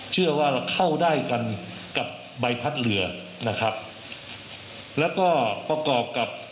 เชื่อว่าเข้าได้กันกับใบพัดเรือนะครับแล้วก็ประกอบกับ